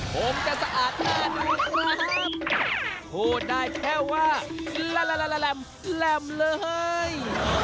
ผมจะสะอาดแน่นอนครับพูดได้แค่ว่าแหลมเลย